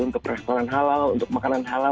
untuk restoran halal untuk makanan halal